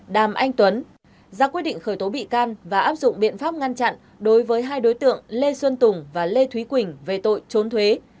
đàm anh tuấn ra quyết định khởi tố bị can và áp dụng biện pháp ngăn chặn đối với hai đối tượng lê xuân tùng và lê thúy quỳnh về tội trốn thuế